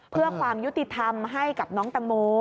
เพื่อความยุติธรรมให้กับน้องตังโม